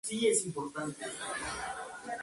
Cuando los encuentran, prefieren comer cangrejos.